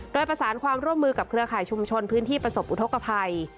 โดยประสานความร่วมมือกับเครือข่ายชุมชนพื้นที่ประสบอุทธกภัย